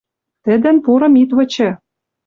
Тӹдӹн пурым ит вычы.